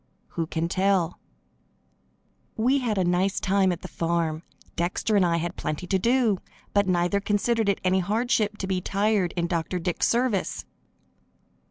Who can tell? We had a nice time at the farm. Dexter and I had plenty to do, but neither considered it any hardship to be tired in Dr. Dick's service.